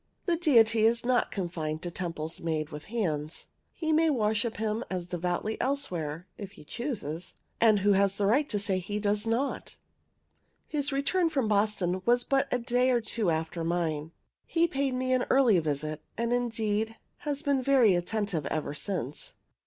The Deity is not confined to temples made with hands. He may worship him as devoutly elsewhere, if he chooses; and who has a right to say he does not? His return from Boston was but a day or two after mine. He paid me an early visit, and, indeed, has been very attentive ever since.